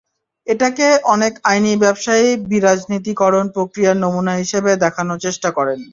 এটাকে অনেক আইন ব্যবসায়ী বিরাজনীতিকরণ প্রক্রিয়ার নমুনা হিসেবে দেখানোর চেষ্টা করেন।